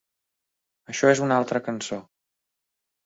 Això és una altra cançó.